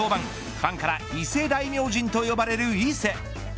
ファンから伊勢大明神と呼ばれる伊勢。